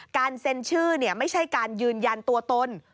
เซ็นชื่อไม่ใช่การยืนยันตัวตน